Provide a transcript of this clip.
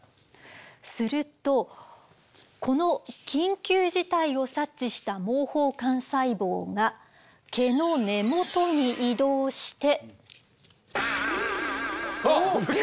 するとこの緊急事態を察知した毛包幹細胞が毛の根元に移動して。